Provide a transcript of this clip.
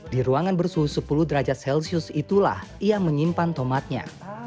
di ruangan bersuhu sepuluh derajat celcius itulah ia menyimpan tomatnya